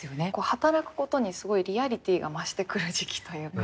働くことにすごいリアリティーが増してくる時期というか。